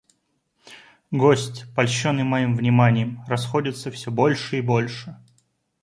Гость, польщенный моим вниманием, расходится всё больше и больше.